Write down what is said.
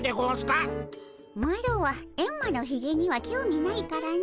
マロはエンマのひげには興味ないからの。